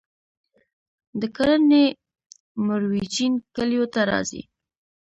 د کرنې مرویجین کلیو ته ځي